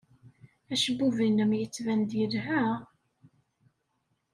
Acebbub-nnem yettban-d yelha.